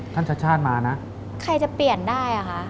ท่านชัดมานะใครจะเปลี่ยนได้อะคะ